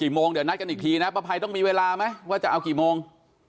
โมงเดี๋ยวนัดกันอีกทีนะป้าภัยต้องมีเวลาไหมว่าจะเอากี่โมง